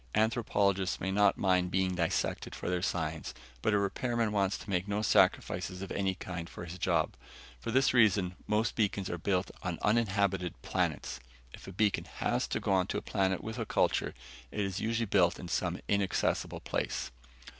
Anthropologists may not mind being dissected for their science, but a repairman wants to make no sacrifices of any kind for his job. For this reason, most beacons are built on uninhabited planets. If a beacon has to go on a planet with a culture, it is usually built in some inaccessible place.